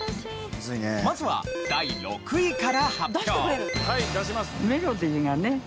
まずは第６位から発表。